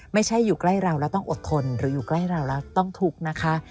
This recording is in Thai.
ไม่ใช่อยู่ใกล้เราแล้วต้องอดทนหรืออยู่ใกล้เราแล้วต้องทุกข์นะคะ